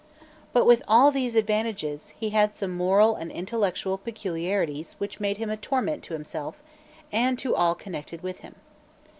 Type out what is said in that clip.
But, with all these advantages, he had some moral and intellectual peculiarities which made him a torment to himself and to all connected with him.